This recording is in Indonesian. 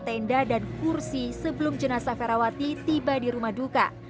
tenda dan kursi sebelum jenasa ferawati tiba di rumah duka